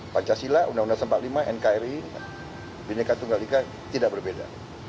pancasila undang undang seribu sembilan ratus empat puluh lima nkri bhinneka tunggal ika tidak berbeda